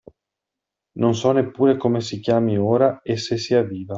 Non so neppure come si chiami ora e se sia viva.